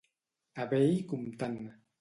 A bell comptant.